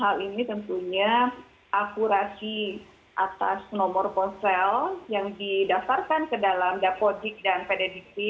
hal ini tentunya akurasi atas nomor ponsel yang didaftarkan ke dalam dapodik dan pedediksi